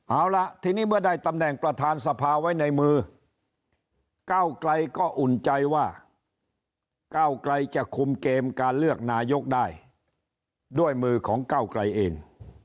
เอาล่ะทีนี้เมื่อได้ตำแหน่งประธานสภาไว้ในมือก้าวไกลก็อุ่นใจว่าก้าวไกลจะคุมเกมการเลือกนายกได้ด้วยมือของก้าวไกลเอง